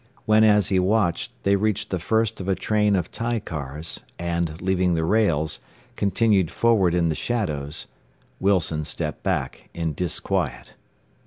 When as he watched they reached the first of a train of tie cars, and leaving the rails, continued forward in the shadows, Wilson stepped back, in disquiet.